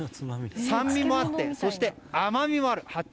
酸味もあって、そして甘みもある八丁